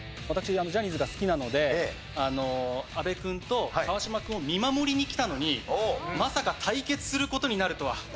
私ジャニーズが好きなので阿部君と川島君を見守りに来たのにまさか対決する事になるとは。